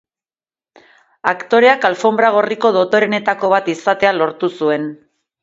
Aktoreak alfonbra gorriko dotoreenetako bat izatea lortu zuen.